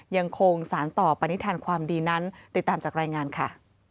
ยังคงสารต่อปณิธานความดีนั้นติดตามจากรายงานค่ะ